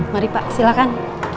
mari pak silahkan